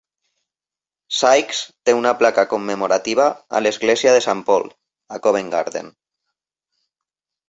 Sykes té una placa commemorativa a l'església de Saint Paul, a Covent Garden.